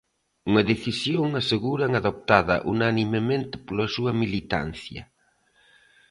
Unha decisión, aseguran, adoptada "unanimemente" pola súa militancia.